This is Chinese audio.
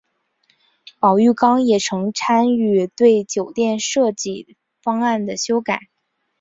包玉刚也曾参与对酒店的设计方案的修改。